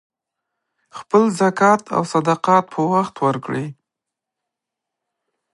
خپل زکات او صدقات په وخت ورکړئ.